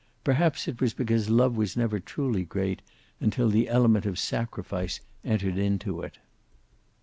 Perhaps it was because love was never truly great until the element of sacrifice entered into it.